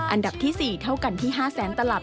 อันดับที่๔เท่ากัน๕๐๐๐๐ตลับ